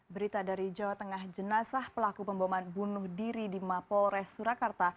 berita dari jawa tengah jenazah pelaku pemboman bunuh diri di mapol res surakarta